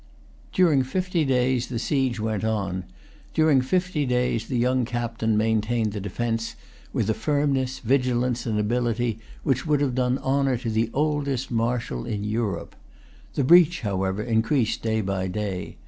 During fifty days the siege went on. During fifty days the young captain maintained the defence, with a firmness, vigilance, and ability, which would have done honour to the oldest marshal in Europe. The breach, however, increased day by day.